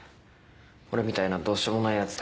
俺みたいなどうしようもないやつ。